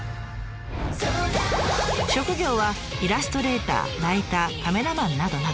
職業はイラストレーターライターカメラマンなどなど。